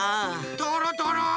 とろとろ！